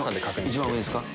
一番上ですか？